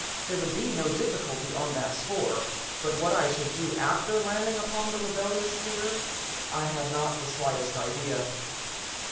There would be no difficulty on that score. But what I should do after landing upon the rebellious sphere, I had not the slightest idea.